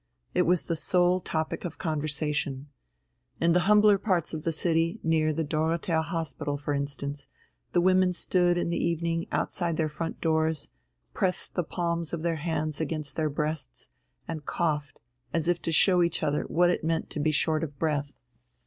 It was the sole topic of conversation. In the humbler parts of the city, near the Dorothea Hospital for instance, the women stood in the evening outside their front doors, pressed the palms of their hands against their breasts, and coughed, as if to show each other what it meant to be short of breath.